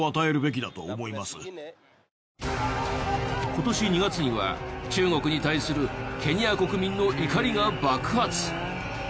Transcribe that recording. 今年２月には中国に対するケニア国民の怒りが爆発。